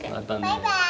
バイバイ！